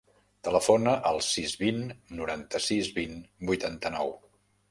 Telefona al sis, vint, noranta-sis, vint, vuitanta-nou.